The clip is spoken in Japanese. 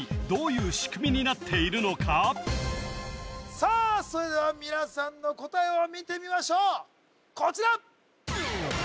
さあそれでは皆さんの答えを見てみましょうこちら